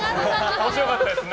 面白かったですね。